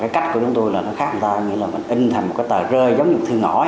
cách của chúng tôi khác người ta mình in thành một tờ rơi giống như thư ngõ